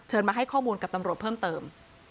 มาให้ข้อมูลกับตำรวจเพิ่มเติม